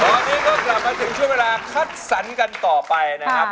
ตอนนี้ก็กลับมาถึงช่วงเวลาคัดสรรกันต่อไปนะครับ